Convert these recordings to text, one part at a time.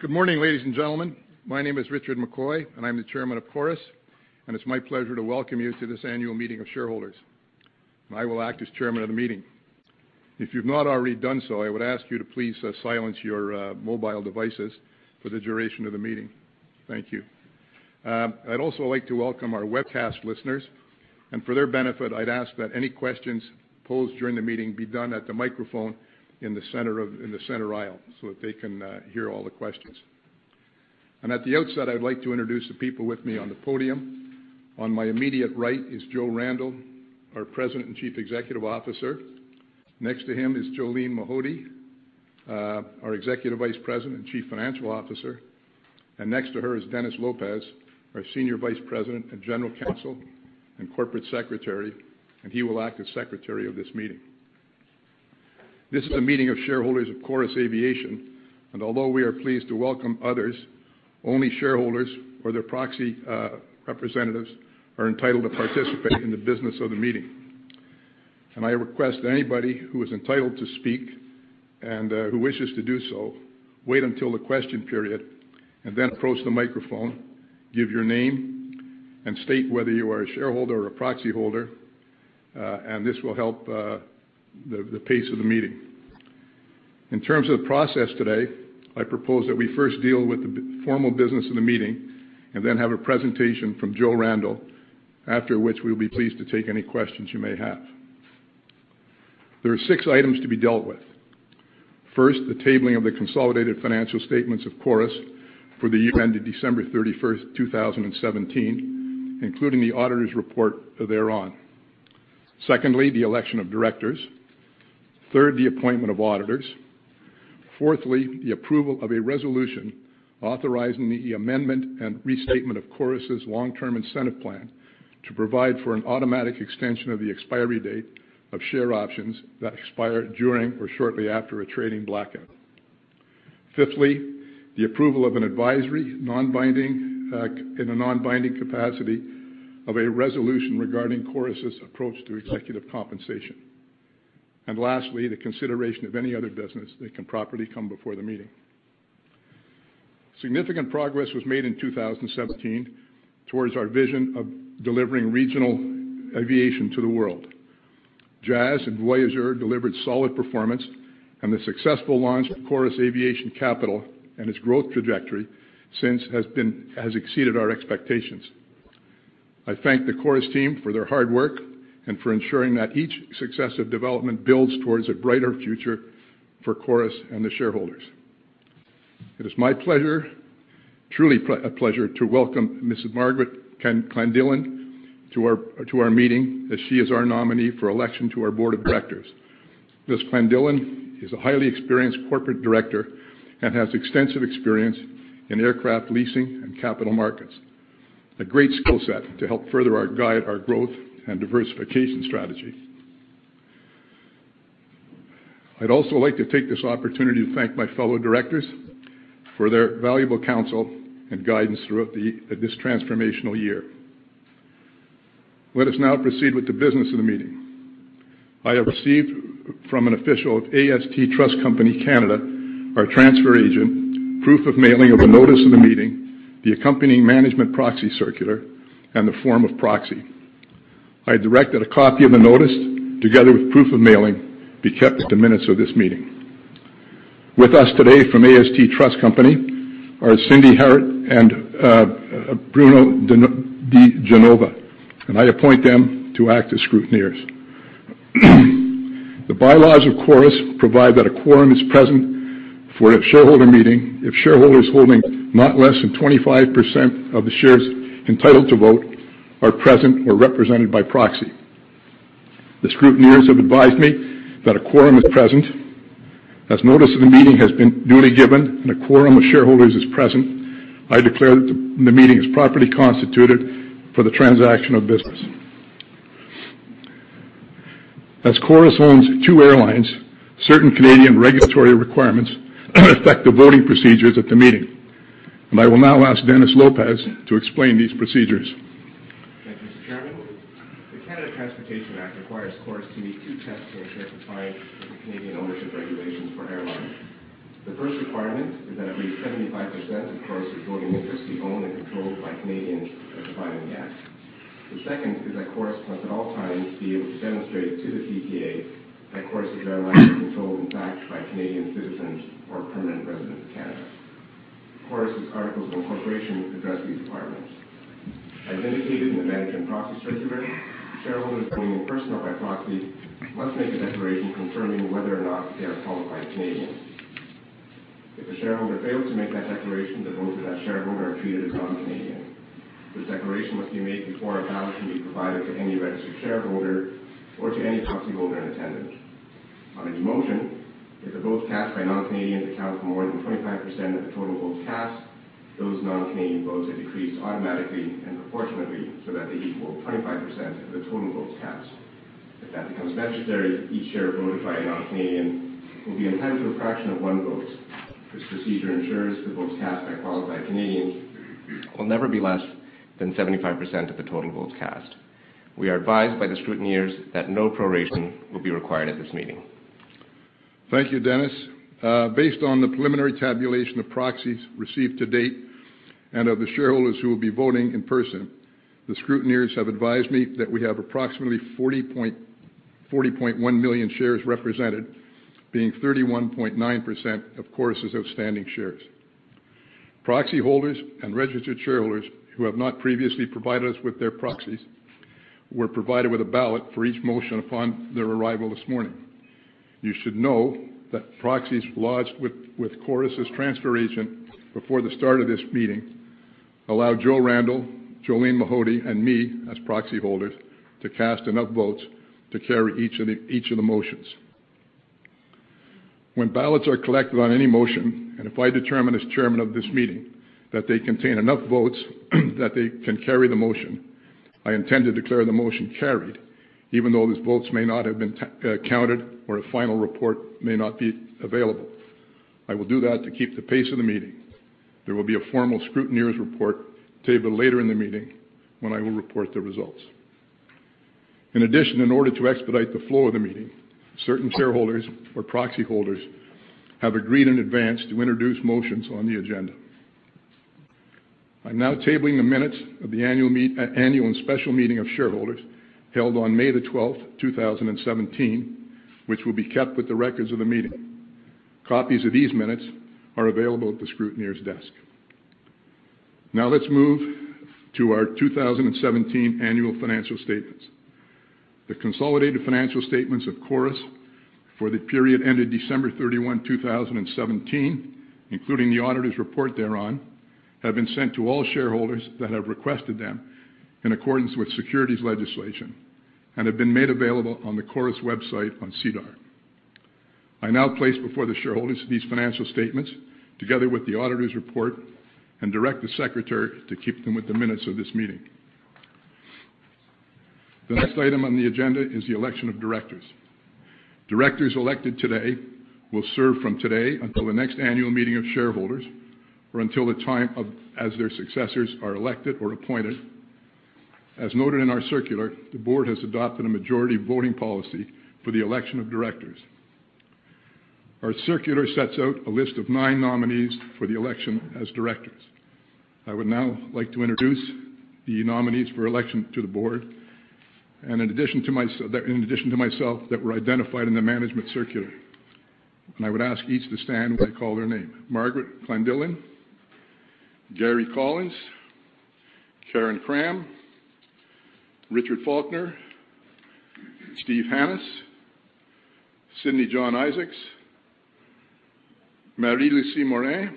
Good morning, ladies and gentlemen. My name is Richard McCoy, and I'm the Chairman of Chorus, and it's my pleasure to welcome you to this annual meeting of shareholders. I will act as Chairman of the meeting. If you've not already done so, I would ask you to please silence your mobile devices for the duration of the meeting. Thank you. I'd also like to welcome our webcast listeners, and for their benefit, I'd ask that any questions posed during the meeting be done at the microphone in the center aisle so that they can hear all the questions. At the outset, I'd like to introduce the people with me on the podium. On my immediate right is Joe Randell, our President and Chief Executive Officer. Next to him is Jolene Mahody, our Executive Vice President and Chief Financial Officer, and next to her is Dennis Lopes, our Senior Vice President and General Counsel and Corporate Secretary, and he will act as Secretary of this meeting. This is a meeting of shareholders of Chorus Aviation, and although we are pleased to welcome others, only shareholders or their proxy representatives are entitled to participate in the business of the meeting. I request that anybody who is entitled to speak and who wishes to do so wait until the question period and then approach the microphone, give your name, and state whether you are a shareholder or a proxy holder, and this will help the pace of the meeting. In terms of the process today, I propose that we first deal with the formal business of the meeting and then have a presentation from Joe Randell, after which we'll be pleased to take any questions you may have. There are six items to be dealt with. First, the tabling of the consolidated financial statements of Chorus for the year ended December 31, 2017, including the auditor's report thereon. Secondly, the election of directors. Third, the appointment of auditors. Fourthly, the approval of a resolution authorizing the amendment and restatement of Chorus's long-term incentive plan to provide for an automatic extension of the expiry date of share options that expire during or shortly after a trading blackout. Fifthly, the approval of an advisory in a non-binding capacity of a resolution regarding Chorus's approach to executive compensation. Lastly, the consideration of any other business that can properly come before the meeting. Significant progress was made in 2017 towards our vision of delivering regional aviation to the world. Jazz and Voyager delivered solid performance, and the successful launch of Chorus Aviation Capital and its growth trajectory since has exceeded our expectations. I thank the Chorus team for their hard work and for ensuring that each successive development builds towards a brighter future for Chorus and the shareholders. It is my pleasure, truly a pleasure, to welcome Mrs. Margaret Clandillon to our meeting as she is our nominee for election to our Board of Directors. Mrs. Clandillon is a highly experienced corporate director and has extensive experience in aircraft leasing and capital markets, a great skill set to help further guide our growth and diversification strategy. I'd also like to take this opportunity to thank my fellow directors for their valuable counsel and guidance throughout this transformational year. Let us now proceed with the business of the meeting. I have received from an official of AST Trust Company (Canada), our transfer agent, proof of mailing of the notice of the meeting, the accompanying management proxy circular, and the form of proxy. I direct that a copy of the notice, together with proof of mailing, be kept at the minutes of this meeting. With us today from AST Trust Company (Canada) are Cindy Harriott and Bruno Di Genova, and I appoint them to act as scrutineers. The bylaws of Chorus provide that a quorum is present for a shareholder meeting if shareholders holding not less than 25% of the shares entitled to vote are present or represented by proxy. The scrutineers have advised me that a quorum is present. As notice of the meeting has been duly given and a quorum of shareholders is present, I declare that the meeting is properly constituted for the transaction of business. As Chorus owns two airlines, certain Canadian regulatory requirements affect the voting procedures at the meeting, and I will now ask Dennis Lopes to explain these procedures. Thank you, Mr. Chairman. The Canada Transportation Act requires Chorus to meet two tests to ensure compliance with the Canadian ownership regulations for airlines. The first requirement is that at least 75% of Chorus's voting interests be owned and controlled by Canadians as defined in the Act. The second is that Chorus must at all times be able to demonstrate to the CPA that Chorus's airlines are controlled, in fact, by Canadian citizens or permanent residents of Canada. Chorus's articles of incorporation address these requirements. As indicated in the Management Proxy Circular, shareholders voting in person or by proxy must make a declaration confirming whether or not they are qualified Canadians. If a shareholder fails to make that declaration, the votes of that shareholder are treated as non-Canadian. This declaration must be made before a ballot can be provided to any registered shareholder or to any proxy holder in attendance. On a nomination, if the votes cast by non-Canadians account for more than 25% of the total votes cast, those non-Canadian votes are decreased automatically and proportionately so that they equal 25% of the total votes cast. If that becomes necessary, each share voted by a non-Canadian will be entitled to a fraction of one vote. This procedure ensures the votes cast by qualified Canadians. Will never be less than 75% of the total votes cast. We are advised by the scrutineers that no proration will be required at this meeting. Thank you, Dennis. Based on the preliminary tabulation of proxies received to date and of the shareholders who will be voting in person, the scrutineers have advised me that we have approximately 40.1 million shares represented, being 31.9% of Chorus's outstanding shares. Proxy holders and registered shareholders who have not previously provided us with their proxies were provided with a ballot for each motion upon their arrival this morning. You should know that proxies lodged with Chorus's transfer agent before the start of this meeting allow Joe Randell, Jolene Mahody, and me as proxy holders to cast enough votes to carry each of the motions. When ballots are collected on any motion, and if I determine, as Chairman of this meeting, that they contain enough votes that they can carry the motion, I intend to declare the motion carried, even though those votes may not have been counted or a final report may not be available. I will do that to keep the pace of the meeting. There will be a formal scrutineer's report tabled later in the meeting when I will report the results. In addition, in order to expedite the flow of the meeting, certain shareholders or proxy holders have agreed in advance to introduce motions on the agenda. I'm now tabling the minutes of the annual and special meeting of shareholders held on May 12, 2017, which will be kept with the records of the meeting. Copies of these minutes are available at the scrutineer's desk. Now let's move to our 2017 annual financial statements. The consolidated financial statements of Chorus for the period ended December 31, 2017, including the auditor's report thereon, have been sent to all shareholders that have requested them in accordance with securities legislation and have been made available on the Chorus website on SEDAR. I now place before the shareholders these financial statements together with the auditor's report and direct the Secretary to keep them with the minutes of this meeting. The next item on the agenda is the election of directors. Directors elected today will serve from today until the next annual meeting of shareholders or until the time as their successors are elected or appointed. As noted in our circular, the board has adopted a majority voting policy for the election of directors. Our circular sets out a list of nine nominees for the election as directors. I would now like to introduce the nominees for election to the board and in addition to myself that were identified in the management circular. I would ask each to stand when I call their name. Margaret Clandillon, Gary Collins, Karen Cramm, Richard Falconer, Steve Hannahs, Sydney John Isaacs, Marie-Lucie Morin,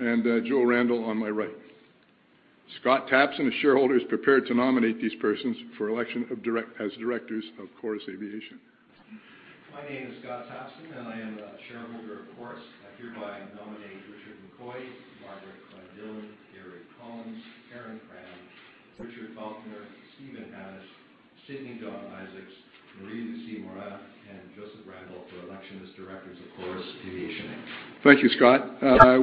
and Joe Randell on my right. Scott Tapson, a shareholder, is prepared to nominate these persons for election as directors of Chorus Aviation. My name is Scott Tapson, and I am the shareholder of Chorus. I hereby nominate Richard McCoy, Margaret Clandillon, Gary Collins, Karen Cramm, Richard Falconer, Stephen Hannahs, Sydney John Isaacs, Marie-Lucie Morin, and Joseph Randell for election as directors of Chorus Aviation. Thank you, Scott.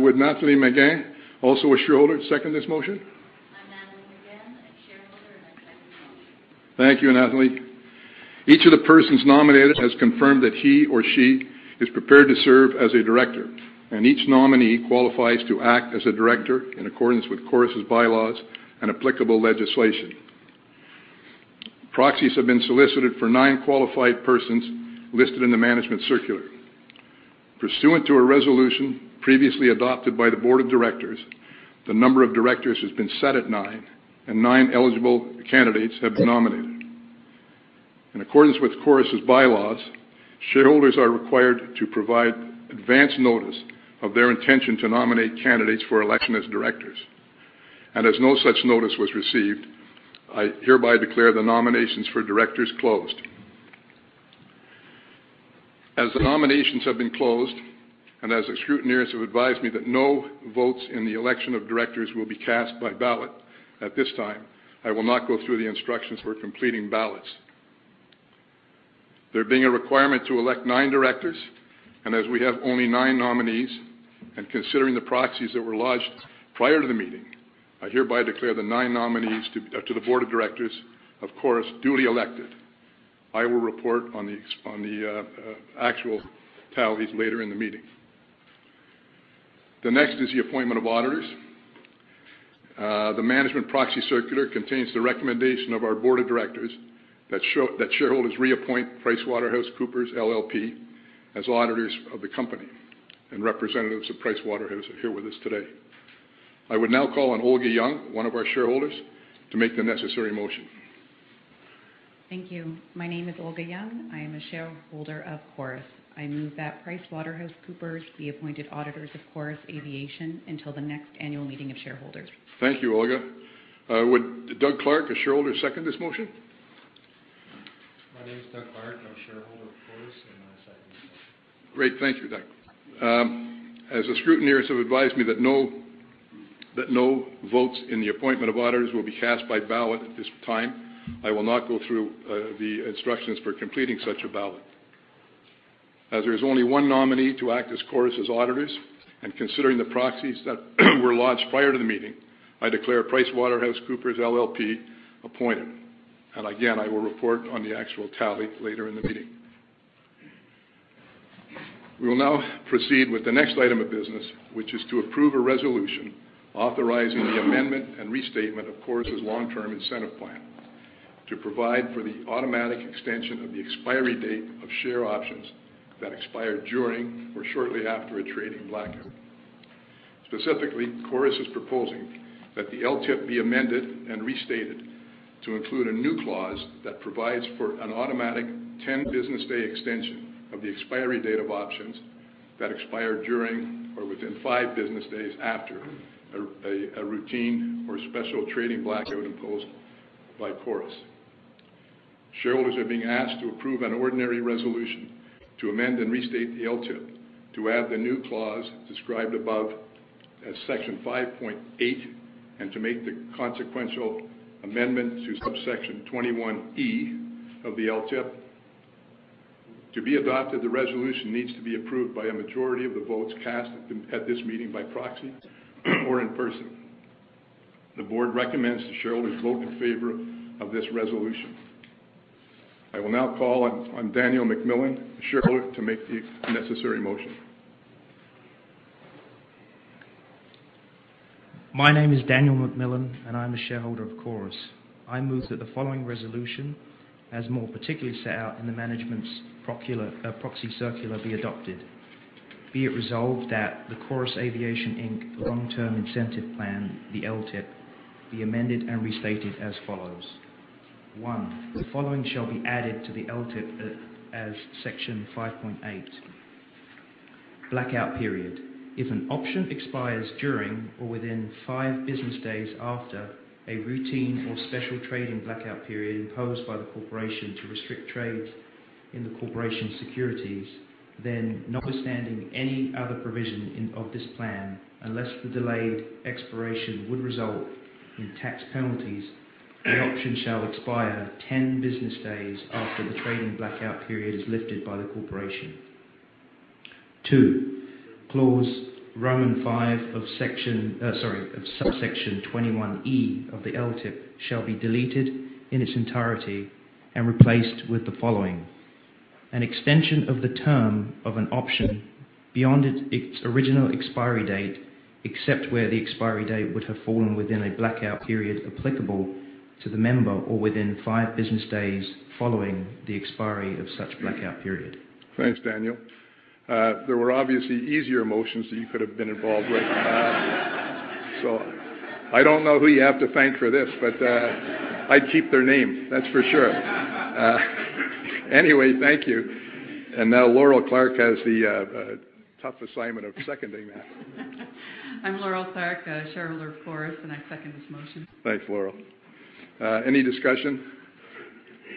Will Nathalie Megann, also a shareholder, second this motion? I'm Nathalie Megann, a shareholder, and I second the motion. Thank you, Nathalie. Each of the persons nominated has confirmed that he or she is prepared to serve as a director, and each nominee qualifies to act as a director in accordance with Chorus's bylaws and applicable legislation. Proxies have been solicited for nine qualified persons listed in the management circular. Pursuant to a resolution previously adopted by the board of directors, the number of directors has been set at nine, and nine eligible candidates have been nominated. In accordance with Chorus's bylaws, shareholders are required to provide advance notice of their intention to nominate candidates for election as directors. As no such notice was received, I hereby declare the nominations for directors closed. As the nominations have been closed and as the scrutineers have advised me that no votes in the election of directors will be cast by ballot at this time, I will not go through the instructions for completing ballots. There being a requirement to elect nine directors, and as we have only nine nominees and considering the proxies that were lodged prior to the meeting, I hereby declare the nine nominees to the board of directors of Chorus duly elected. I will report on the actual tallies later in the meeting. The next is the appointment of auditors. The Management Proxy Circular contains the recommendation of our board of directors that shareholders reappoint PricewaterhouseCoopers LLP as auditors of the company, and representatives of PricewaterhouseCoopers are here with us today. I would now call on Olga Young, one of our shareholders, to make the necessary motion. Thank you. My name is Olga Young. I am a shareholder of Chorus. I move that PricewaterhouseCoopers be appointed auditors of Chorus Aviation until the next annual meeting of shareholders. Thank you, Olga. Would Doug Clark, a shareholder, second this motion? My name is Doug Clark. I'm a shareholder of Chorus, and I second this motion. Great. Thank you, Doug. As the scrutineers have advised me that no votes in the appointment of auditors will be cast by ballot at this time, I will not go through the instructions for completing such a ballot. As there is only one nominee to act as Chorus's auditors, and considering the proxies that were lodged prior to the meeting, I declare PricewaterhouseCoopers LLP appointed. Again, I will report on the actual tally later in the meeting. We will now proceed with the next item of business, which is to approve a resolution authorizing the amendment and restatement of Chorus's long-term incentive plan to provide for the automatic extension of the expiry date of share options that expire during or shortly after a trading blackout. Specifically, Chorus is proposing that the LTIP be amended and restated to include a new clause that provides for an automatic 10 business day extension of the expiry date of options that expire during or within five business days after a routine or special trading blackout imposed by Chorus. Shareholders are being asked to approve an ordinary resolution to amend and restate the LTIP to add the new clause described above as Section 5.8 and to make the consequential amendment to Subsection 21E of the LTIP. To be adopted, the resolution needs to be approved by a majority of the votes cast at this meeting by proxy or in person. The board recommends the shareholders vote in favor of this resolution. I will now call on Daniel McMillan, a shareholder, to make the necessary motion. My name is Daniel McMillan, and I'm a shareholder of Chorus. I move that the following resolution, as more particularly set out in the Management Proxy Circular, be adopted. Be it resolved that the Chorus Aviation Inc. Long-Term Incentive Plan, the LTIP, be amended and restated as follows. One, the following shall be added to the LTIP as Section 5.8, Blackout Period. If an option expires during or within five business days after a routine or special trading blackout period imposed by the corporation to restrict trade in the corporation's securities, then notwithstanding any other provision of this plan, unless the delayed expiration would result in tax penalties, the option shall expire 10 business days after the trading blackout period is lifted by the corporation. Two, clause Roman V of Subsection 21E of the LTIP shall be deleted in its entirety and replaced with the following: an extension of the term of an option beyond its original expiry date, except where the expiry date would have fallen within a blackout period applicable to the member or within five business days following the expiry of such blackout period. Thanks, Daniel. There were obviously easier motions that you could have been involved with. I don't know who you have to thank for this, but I'd keep their name, that's for sure. Anyway, thank you. Now Laurel Clark has the tough assignment of seconding that. I'm Laurel Clark, a shareholder of Chorus, and I second this motion. Thanks, Laurel. Any discussion?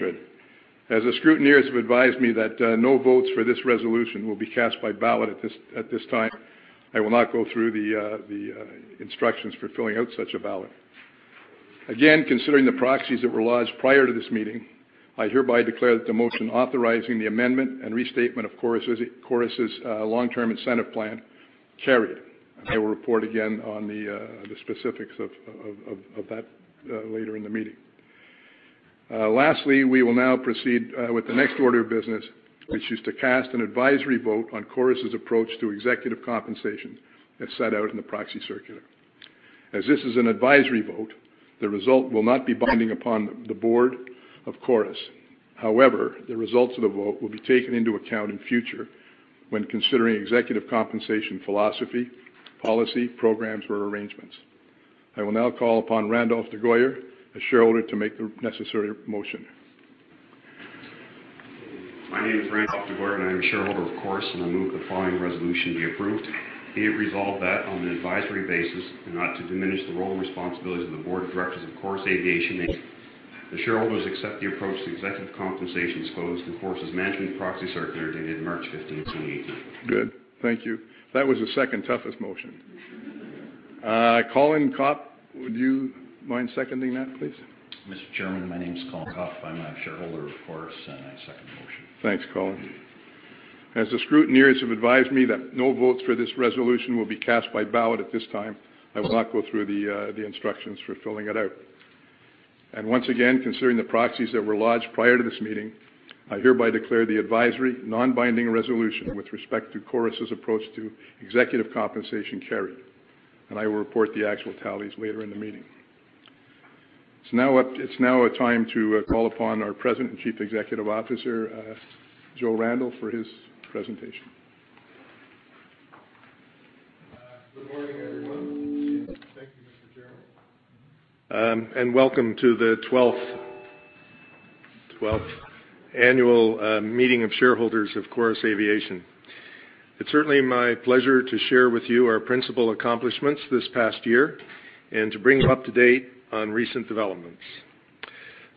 Good. As the scrutineers have advised me that no votes for this resolution will be cast by ballot at this time, I will not go through the instructions for filling out such a ballot. Again, considering the proxies that were lodged prior to this meeting, I hereby declare that the motion authorizing the amendment and restatement of Chorus's long-term incentive plan carried. I will report again on the specifics of that later in the meeting. Lastly, we will now proceed with the next order of business, which is to cast an advisory vote on Chorus's approach to executive compensation as set out in the proxy circular. As this is an advisory vote, the result will not be binding upon the board of Chorus. However, the results of the vote will be taken into account in future when considering executive compensation philosophy, policy, programs, or arrangements. I will now call upon Randolph deGooyer, a shareholder, to make the necessary motion. My name is Randolph deGooyer, and I'm a shareholder of Chorus, and I move the following resolution be approved. Be it resolved that on an advisory basis and not to diminish the role and responsibilities of the board of directors of Chorus Aviation. The shareholders accept the approach to executive compensation as disclosed in Chorus's management proxy circular dated March 15, 2018. Good. Thank you. That was the second toughest motion. Colin Copp, would you mind seconding that, please? Mr. Chairman, my name is Colin Copp. I'm a shareholder of Chorus, and I second the motion. Thanks, Colin. As the scrutineers have advised me that no votes for this resolution will be cast by ballot at this time, I will not go through the instructions for filling it out. Once again, considering the proxies that were lodged prior to this meeting, I hereby declare the advisory, non-binding resolution with respect to Chorus's approach to executive compensation carried. I will report the actual tallies later in the meeting. It's now a time to call upon our President and Chief Executive Officer, Joseph Randell, for his presentation. Good morning, everyone. Thank you, Mr. Chairman. Welcome to the 12th annual meeting of shareholders of Chorus Aviation. It's certainly my pleasure to share with you our principal accomplishments this past year and to bring you up to date on recent developments.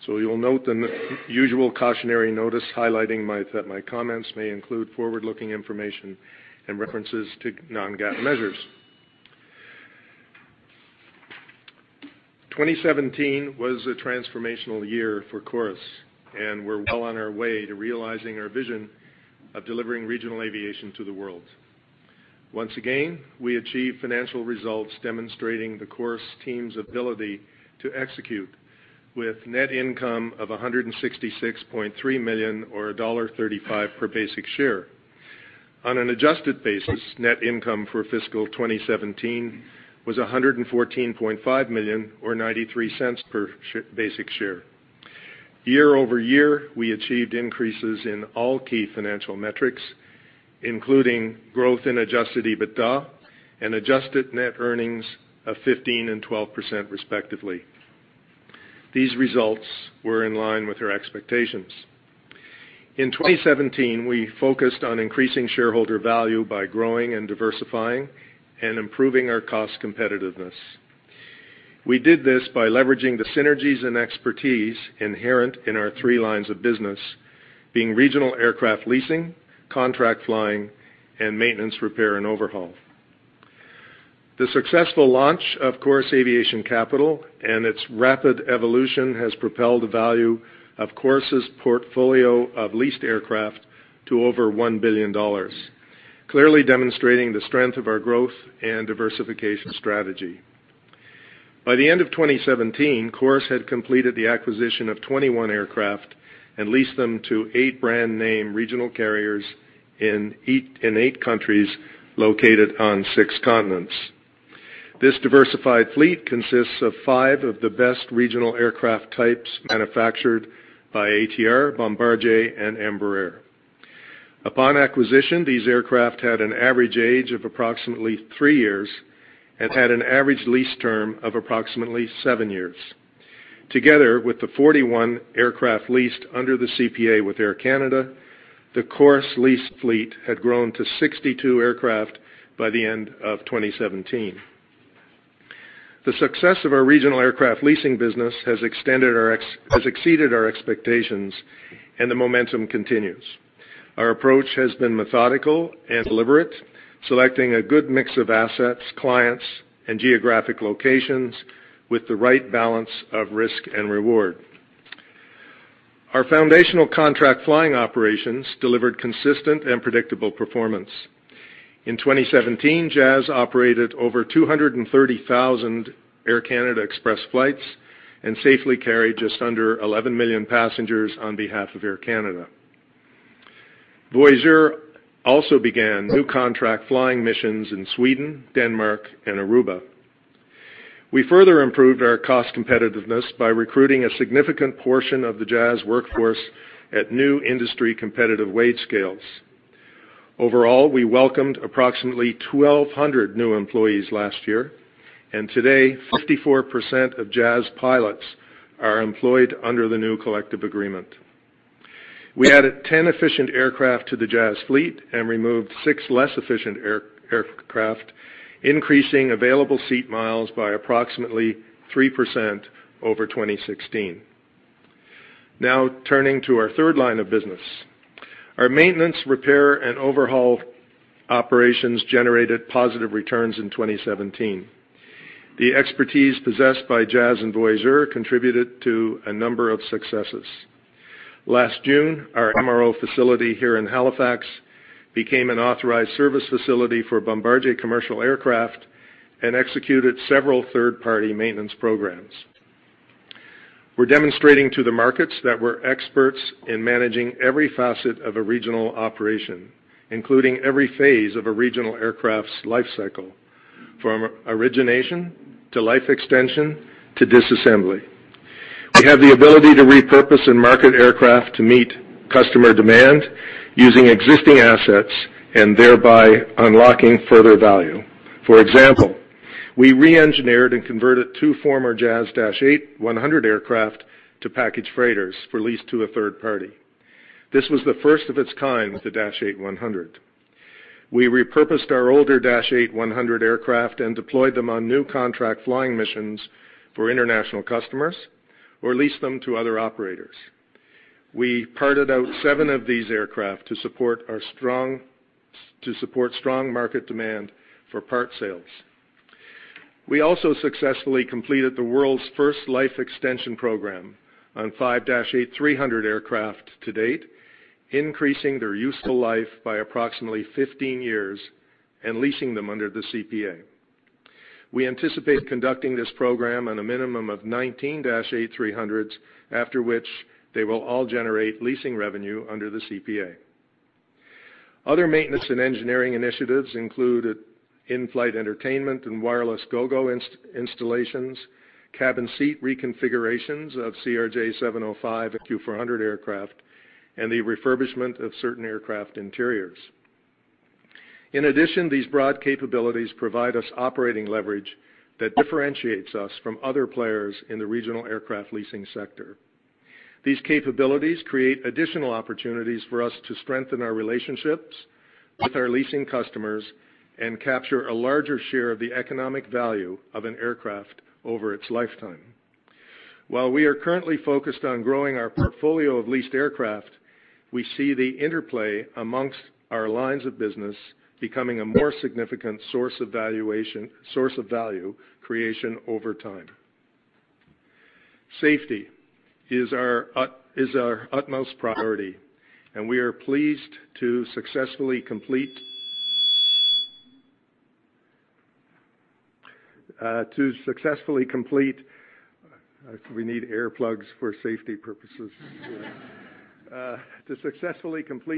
You'll note the usual cautionary notice highlighting that my comments may include forward-looking information and references to non-GAAP measures. 2017 was a transformational year for Chorus, and we're well on our way to realizing our vision of delivering regional aviation to the world. Once again, we achieved financial results demonstrating the Chorus team's ability to execute with net income of 166.3 million or dollar 1.35 per basic share. On an adjusted basis, net income for fiscal 2017 was 114.5 million or 0.93 per basic share. Year-over-year, we achieved increases in all key financial metrics, including growth in Adjusted EBITDA and adjusted net earnings of 15% and 12%, respectively. These results were in line with our expectations. In 2017, we focused on increasing shareholder value by growing and diversifying and improving our cost competitiveness. We did this by leveraging the synergies and expertise inherent in our three lines of business, being regional aircraft leasing, contract flying, and maintenance, repair, and overhaul. The successful launch of Chorus Aviation Capital and its rapid evolution has propelled the value of Chorus's portfolio of leased aircraft to over $1 billion, clearly demonstrating the strength of our growth and diversification strategy. By the end of 2017, Chorus had completed the acquisition of 21 aircraft and leased them to eight brand-name regional carriers in eight countries located on six continents. This diversified fleet consists of five of the best regional aircraft types manufactured by ATR, Bombardier, and Embraer. Upon acquisition, these aircraft had an average age of approximately three years and had an average lease term of approximately seven years. Together with the 41 aircraft leased under the CPA with Air Canada, the Chorus leased fleet had grown to 62 aircraft by the end of 2017. The success of our regional aircraft leasing business has exceeded our expectations, and the momentum continues. Our approach has been methodical and deliberate, selecting a good mix of assets, clients, and geographic locations with the right balance of risk and reward. Our foundational contract flying operations delivered consistent and predictable performance. In 2017, Jazz operated over 230,000 Air Canada Express flights and safely carried just under 11 million passengers on behalf of Air Canada. Voyager also began new contract flying missions in Sweden, Denmark, and Aruba. We further improved our cost competitiveness by recruiting a significant portion of the Jazz workforce at new industry competitive wage scales. Overall, we welcomed approximately 1,200 new employees last year, and today, 54% of Jazz pilots are employed under the new collective agreement. We added 10 efficient aircraft to the Jazz fleet and removed 6 less efficient aircraft, increasing available seat miles by approximately 3% over 2016. Now turning to our third line of business, our maintenance, repair, and overhaul operations generated positive returns in 2017. The expertise possessed by Jazz and Voyager contributed to a number of successes. Last June, our MRO facility here in Halifax became an authorized service facility for Bombardier commercial aircraft and executed several third-party maintenance programs. We're demonstrating to the markets that we're experts in managing every facet of a regional operation, including every phase of a regional aircraft's life cycle, from origination to life extension to disassembly. We have the ability to repurpose and market aircraft to meet customer demand using existing assets and thereby unlocking further value. For example, we re-engineered and converted two former Dash 8-100 aircraft to package freighters for lease to a third party. This was the first of its kind with the Dash 8-100. We repurposed our older Dash 8-100 aircraft and deployed them on new contract flying missions for international customers or leased them to other operators. We parted out seven of these aircraft to support our strong market demand for part sales. We also successfully completed the world's first life extension program on five -8300 aircraft to date, increasing their useful life by approximately 15 years and leasing them under the CPA. We anticipate conducting this program on a minimum of 19 -8300s, after which they will all generate leasing revenue under the CPA. Other maintenance and engineering initiatives include in-flight entertainment and wireless Gogo installations, cabin seat reconfigurations of CRJ705 and Q400 aircraft, and the refurbishment of certain aircraft interiors. In addition, these broad capabilities provide us operating leverage that differentiates us from other players in the regional aircraft leasing sector. These capabilities create additional opportunities for us to strengthen our relationships with our leasing customers and capture a larger share of the economic value of an aircraft over its lifetime. While we are currently focused on growing our portfolio of leased aircraft, we see the interplay among our lines of business becoming a more significant source of value creation over time. Safety is our utmost priority, and we are pleased to successfully complete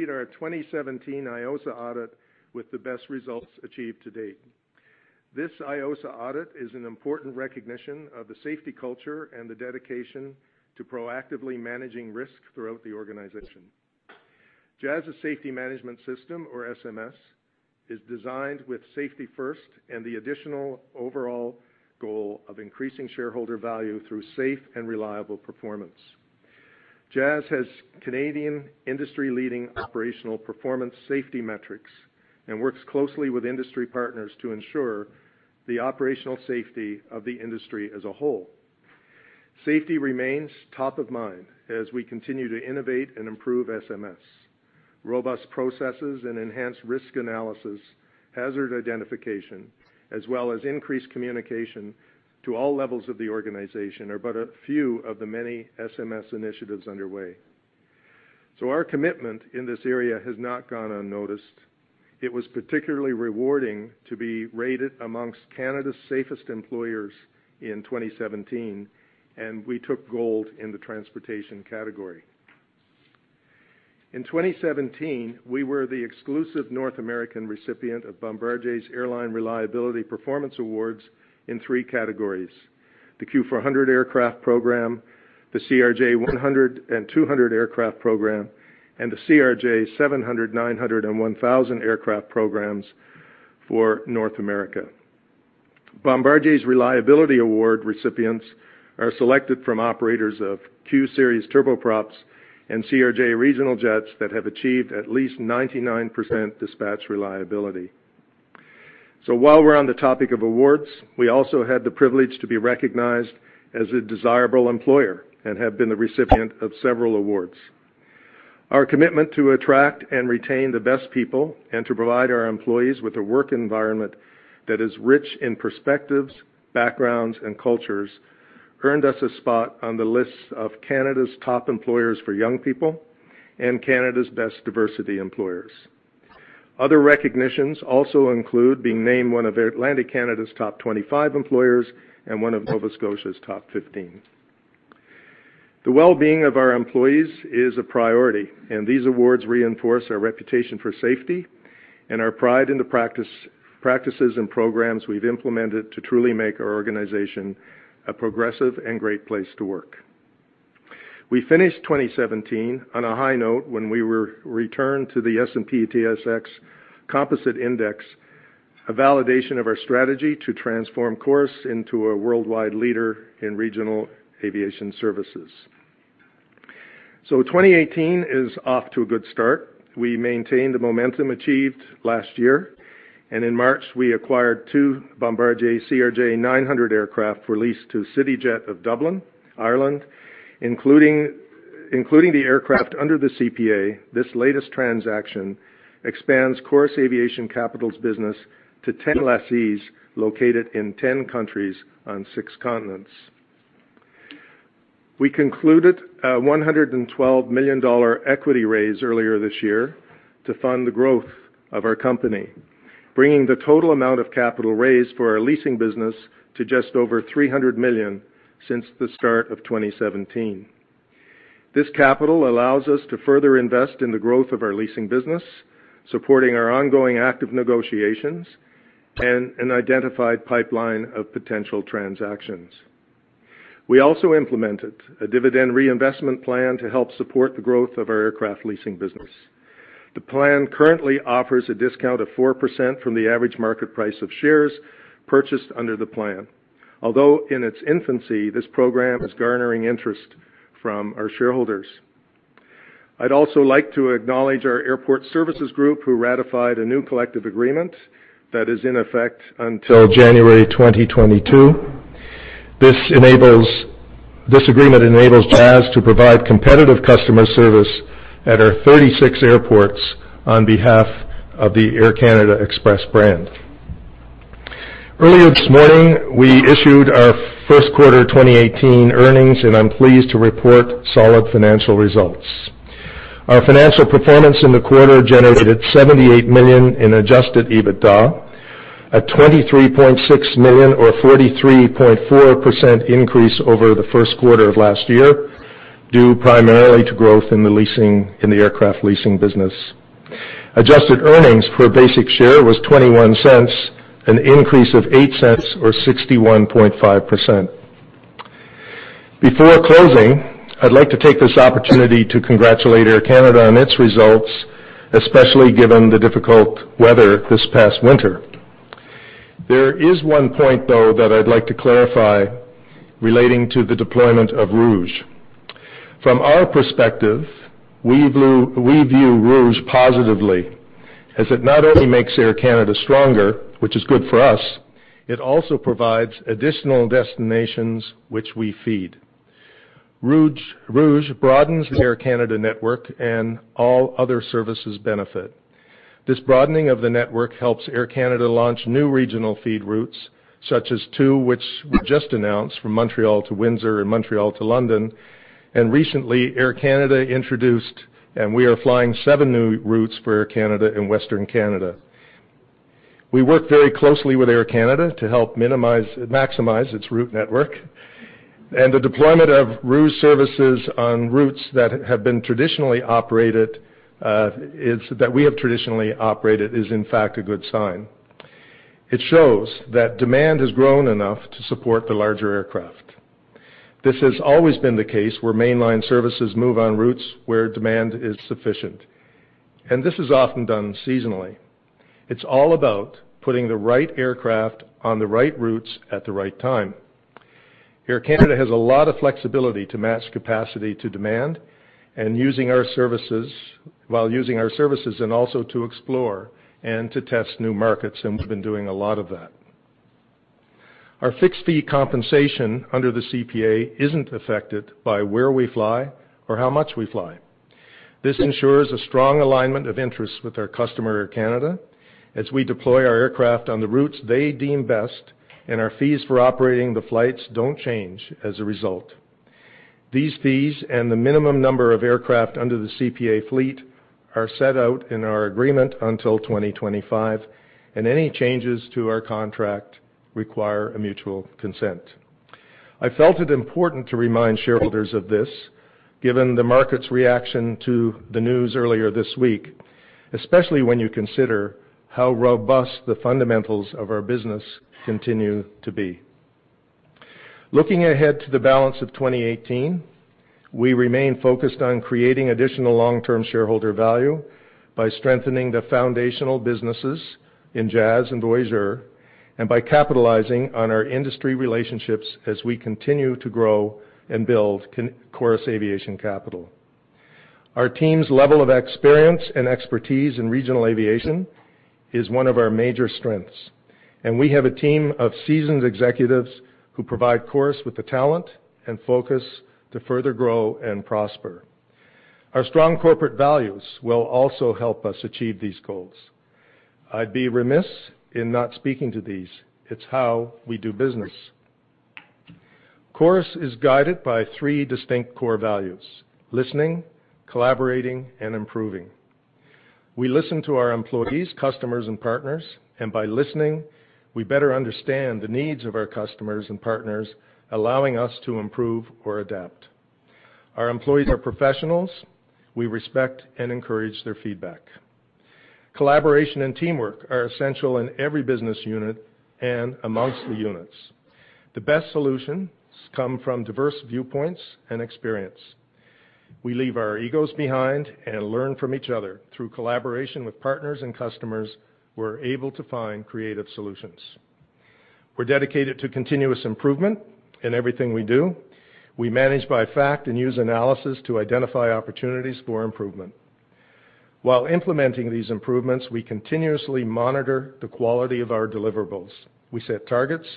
our 2017 IOSA audit with the best results achieved to date. This IOSA audit is an important recognition of the safety culture and the dedication to proactively managing risk throughout the organization. Jazz's safety management system, or SMS, is designed with safety first and the additional overall goal of increasing shareholder value through safe and reliable performance. Jazz has Canadian industry-leading operational performance safety metrics and works closely with industry partners to ensure the operational safety of the industry as a whole. Safety remains top of mind as we continue to innovate and improve SMS. Robust processes and enhanced risk analysis, hazard identification, as well as increased communication to all levels of the organization are but a few of the many SMS initiatives underway. So our commitment in this area has not gone unnoticed. It was particularly rewarding to be rated among Canada's safest employers in 2017, and we took gold in the transportation category. In 2017, we were the exclusive North American recipient of Bombardier's Airline Reliability Performance Awards in three categories: the Q400 aircraft program, the CRJ 100 and 200 aircraft program, and the CRJ 700, 900, and 1000 aircraft programs for North America. Bombardier's Reliability Award recipients are selected from operators of Q-series turboprops and CRJ regional jets that have achieved at least 99% dispatch reliability. So while we're on the topic of awards, we also had the privilege to be recognized as a desirable employer and have been the recipient of several awards. Our commitment to attract and retain the best people and to provide our employees with a work environment that is rich in perspectives, backgrounds, and cultures earned us a spot on the lists of Canada's top employers for young people and Canada's best diversity employers. Other recognitions also include being named one of Atlantic Canada's top 25 employers and one of Nova Scotia's top 15. The well-being of our employees is a priority, and these awards reinforce our reputation for safety and our pride in the practices and programs we've implemented to truly make our organization a progressive and great place to work. We finished 2017 on a high note when we were returned to the S&P/TSX Composite Index, a validation of our strategy to transform Chorus into a worldwide leader in regional aviation services. So 2018 is off to a good start. We maintained the momentum achieved last year, and in March, we acquired 2 Bombardier CRJ900 aircraft for lease to CityJet of Dublin, Ireland. Including the aircraft under the CPA, this latest transaction expands Chorus Aviation Capital's business to 10 lessees located in 10 countries on 6 continents. We concluded a 112 million dollar equity raise earlier this year to fund the growth of our company, bringing the total amount of capital raised for our leasing business to just over 300 million since the start of 2017. This capital allows us to further invest in the growth of our leasing business, supporting our ongoing active negotiations and an identified pipeline of potential transactions. We also implemented a dividend reinvestment plan to help support the growth of our aircraft leasing business. The plan currently offers a discount of 4% from the average market price of shares purchased under the plan, although in its infancy, this program is garnering interest from our shareholders. I'd also like to acknowledge our airport services group who ratified a new collective agreement that is in effect until January 2022. This agreement enables Jazz to provide competitive customer service at our 36 airports on behalf of the Air Canada Express brand. Earlier this morning, we issued our first quarter 2018 earnings, and I'm pleased to report solid financial results. Our financial performance in the quarter generated 78 million in adjusted EBITDA, a 23.6 million or 43.4% increase over the first quarter of last year due primarily to growth in the aircraft leasing business. Adjusted earnings per basic share was 0.21, an increase of 0.08 or 61.5%. Before closing, I'd like to take this opportunity to congratulate Air Canada on its results, especially given the difficult weather this past winter. There is one point, though, that I'd like to clarify relating to the deployment of Rouge. From our perspective, we view Rouge positively as it not only makes Air Canada stronger, which is good for us, it also provides additional destinations which we feed. Rouge broadens the Air Canada network, and all other services benefit. This broadening of the network helps Air Canada launch new regional feed routes, such as two which were just announced from Montreal to Windsor and Montreal to London. Recently, Air Canada introduced, and we are flying seven new routes for Air Canada in Western Canada. We work very closely with Air Canada to help maximize its route network, and the deployment of Rouge services on routes that have been traditionally operated, that we have traditionally operated, is in fact a good sign. It shows that demand has grown enough to support the larger aircraft. This has always been the case where mainline services move on routes where demand is sufficient, and this is often done seasonally. It's all about putting the right aircraft on the right routes at the right time. Air Canada has a lot of flexibility to match capacity to demand and using our services while using our services and also to explore and to test new markets, and we've been doing a lot of that. Our fixed fee compensation under the CPA isn't affected by where we fly or how much we fly. This ensures a strong alignment of interests with our customer, Air Canada, as we deploy our aircraft on the routes they deem best, and our fees for operating the flights don't change as a result. These fees and the minimum number of aircraft under the CPA fleet are set out in our agreement until 2025, and any changes to our contract require a mutual consent. I felt it important to remind shareholders of this, given the market's reaction to the news earlier this week, especially when you consider how robust the fundamentals of our business continue to be. Looking ahead to the balance of 2018, we remain focused on creating additional long-term shareholder value by strengthening the foundational businesses in Jazz and Voyager and by capitalizing on our industry relationships as we continue to grow and build Chorus Aviation Capital. Our team's level of experience and expertise in regional aviation is one of our major strengths, and we have a team of seasoned executives who provide Chorus with the talent and focus to further grow and prosper. Our strong corporate values will also help us achieve these goals. I'd be remiss in not speaking to these. It's how we do business. Chorus is guided by three distinct core values: listening, collaborating, and improving. We listen to our employees, customers, and partners, and by listening, we better understand the needs of our customers and partners, allowing us to improve or adapt. Our employees are professionals. We respect and encourage their feedback. Collaboration and teamwork are essential in every business unit and amongst the units. The best solutions come from diverse viewpoints and experience. We leave our egos behind and learn from each other. Through collaboration with partners and customers, we're able to find creative solutions. We're dedicated to continuous improvement in everything we do. We manage by fact and use analysis to identify opportunities for improvement. While implementing these improvements, we continuously monitor the quality of our deliverables. We set targets,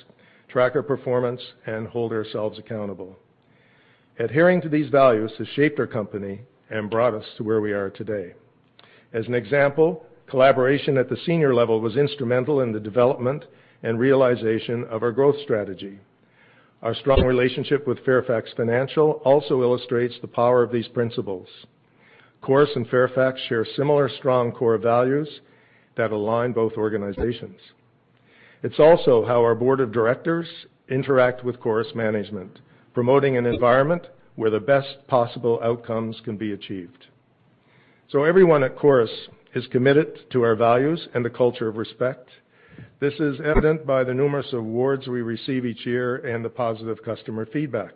track our performance, and hold ourselves accountable. Adhering to these values has shaped our company and brought us to where we are today. As an example, collaboration at the senior level was instrumental in the development and realization of our growth strategy. Our strong relationship with Fairfax Financial also illustrates the power of these principles. Chorus and Fairfax share similar strong core values that align both organizations. It's also how our board of directors interact with Chorus management, promoting an environment where the best possible outcomes can be achieved. So everyone at Chorus is committed to our values and the culture of respect. This is evident by the numerous awards we receive each year and the positive customer feedback.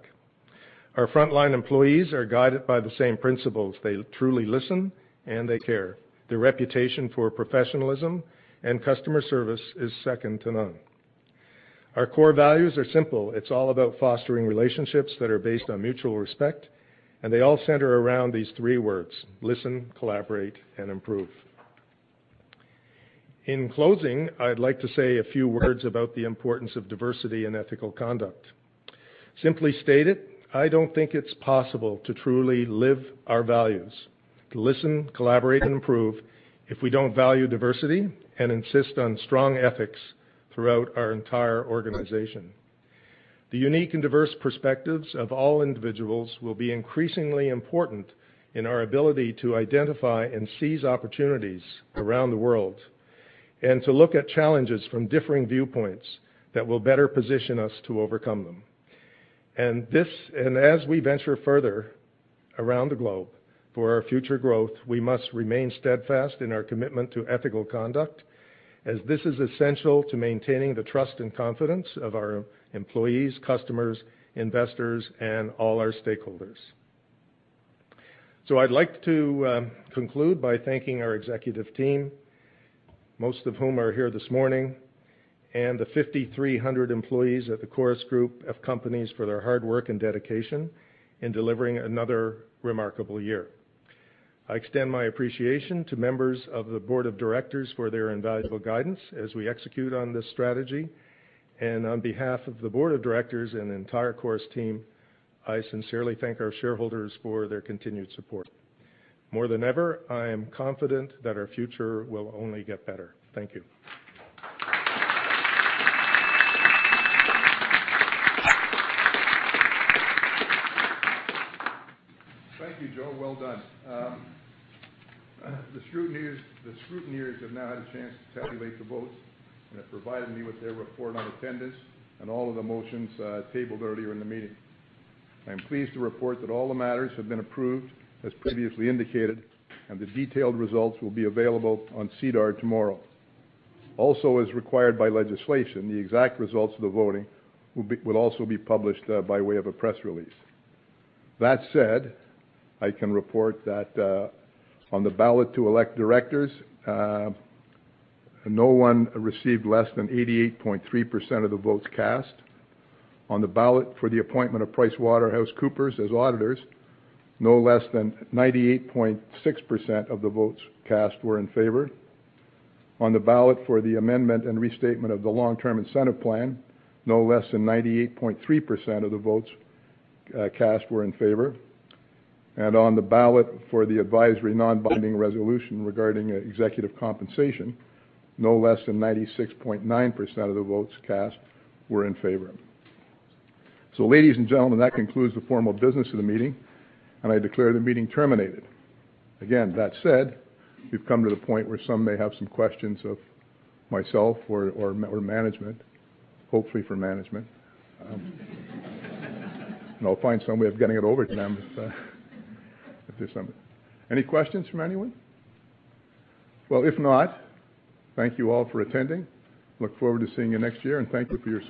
Our frontline employees are guided by the same principles. They truly listen, and they care. Their reputation for professionalism and customer service is second to none. Our core values are simple. It's all about fostering relationships that are based on mutual respect, and they all center around these three words: listen, collaborate, and improve. In closing, I'd like to say a few words about the importance of diversity and ethical conduct. Simply stated, I don't think it's possible to truly live our values, to listen, collaborate, and improve if we don't value diversity and insist on strong ethics throughout our entire organization. The unique and diverse perspectives of all individuals will be increasingly important in our ability to identify and seize opportunities around the world and to look at challenges from differing viewpoints that will better position us to overcome them. And as we venture further around the globe for our future growth, we must remain steadfast in our commitment to ethical conduct, as this is essential to maintaining the trust and confidence of our employees, customers, investors, and all our stakeholders. I'd like to conclude by thanking our executive team, most of whom are here this morning, and the 5,300 employees at the Chorus Group of companies for their hard work and dedication in delivering another remarkable year. I extend my appreciation to members of the board of directors for their invaluable guidance as we execute on this strategy. On behalf of the board of directors and the entire Chorus team, I sincerely thank our shareholders for their continued support. More than ever, I am confident that our future will only get better. Thank you. Thank you, Joseph. Well done. The scrutineers have now had a chance to tabulate the votes, and they've provided me with their report on attendance and all of the motions tabled earlier in the meeting. I am pleased to report that all the matters have been approved, as previously indicated, and the detailed results will be available on SEDAR tomorrow. Also, as required by legislation, the exact results of the voting will also be published by way of a press release. That said, I can report that on the ballot to elect directors, no one received less than 88.3% of the votes cast. On the ballot for the appointment of PricewaterhouseCoopers as auditors, no less than 98.6% of the votes cast were in favor. On the ballot for the amendment and restatement of the long-term incentive plan, no less than 98.3% of the votes cast were in favor. And on the ballot for the advisory non-binding resolution regarding executive compensation, no less than 96.9% of the votes cast were in favor. So, ladies and gentlemen, that concludes the formal business of the meeting, and I declare the meeting terminated. Again, that said, we've come to the point where some may have some questions of myself or management, hopefully for management. And I'll find some way of getting it over to them if there's something. Any questions from anyone? Well, if not, thank you all for attending. Look forward to seeing you next year, and thank you for your.